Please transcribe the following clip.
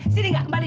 sini enggak kembalin